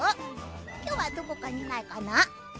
今日は、どこかにいないかな。